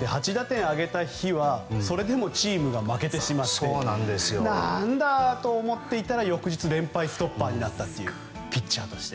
８打点挙げた日はそれでもチームが負けてしまって何だと思っていたら翌日連敗ストッパーになったと。